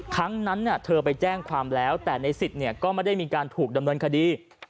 ครั้งนั้นเธอไปแจ้งความแล้วแต่ในสิทธิ์ก็ไม่ได้มีการถูกดำเนินคดี